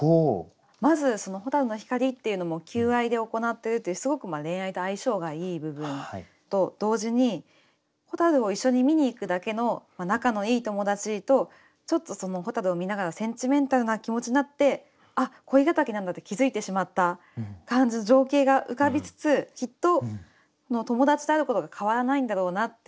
まずその蛍の光っていうのも求愛で行っているというすごく恋愛と相性がいい部分と同時に蛍を一緒に見に行くだけの仲のいい友達とちょっとその蛍を見ながらセンチメンタルな気持ちになって「あっ恋敵なんだ」って気付いてしまった感じの情景が浮かびつつきっと友達であることは変わらないんだろうなって思えるような。